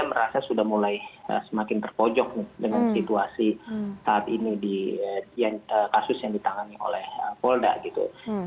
saya rasa sudah mulai semakin terpojok dengan situasi saat ini kasus yang ditangani oleh polda gitu